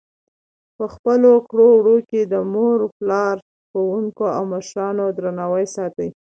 په خپلو کړو وړو کې د مور پلار، ښوونکو او مشرانو درناوی ساتي.